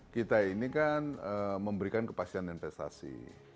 kita ini kan memberikan kepastian investasi